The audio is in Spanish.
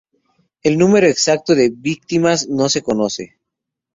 El número exacto de víctimas no se conoce.